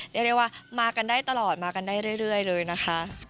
เรียกได้ว่ามากันได้ตลอดมากันได้เรื่อยเลยนะคะ